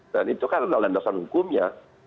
dan itu kan adalah landasan hukumnya